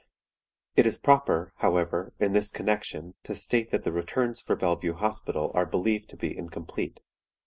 It is proper, however, in this connection to state that the returns for Bellevue Hospital are believed to be incomplete.